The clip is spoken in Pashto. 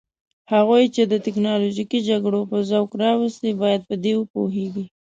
هغوی چې د تکنالوژیکي جګړو په ذوق راوستي باید په دې وپوهیږي.